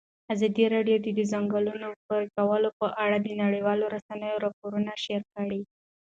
ازادي راډیو د د ځنګلونو پرېکول په اړه د نړیوالو رسنیو راپورونه شریک کړي.